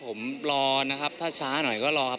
ผมรอนะครับถ้าช้าหน่อยก็รอครับ